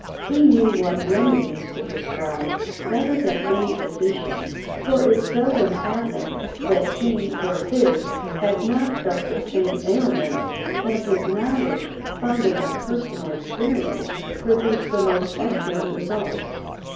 He knew what remedies to prescribe better than any physician, for it seldom happened that he or his had not felt the same ailments, and his knowledge, founded on personal experience, produced the most excellent results.